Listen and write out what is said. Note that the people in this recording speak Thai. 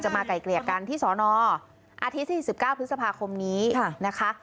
มาไกลเกลี่ยกันที่สอนออาทิตย์๔๙พฤษภาคมนี้นะคะ